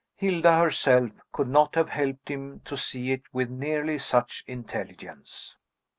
Hilda herself could not have helped him to see it with nearly such intelligence.